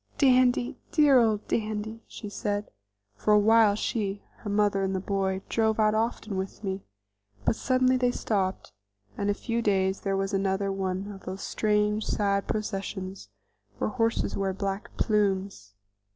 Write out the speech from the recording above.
"Dandy, dear old Dandy!" she said. For awhile she, her mother and the boy drove out often with me, but suddenly they stopped, and in a few days there was another one of those strange, sad processions where horses wear black plumes.